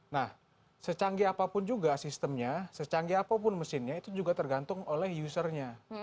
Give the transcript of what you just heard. nah secanggih apapun juga sistemnya secanggih apapun mesinnya itu juga tergantung oleh usernya